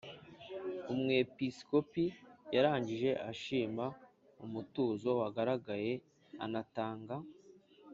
umwepiskopi yarangije ashima umutuzo wagaragaye anatanga